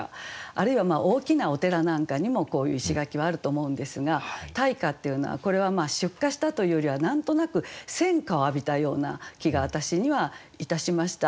あるいは大きなお寺なんかにもこういう石垣はあると思うんですが「大火」っていうのはこれは出火したというよりは何となく戦火を浴びたような気が私にはいたしました。